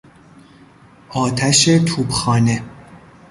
آتش توپخانه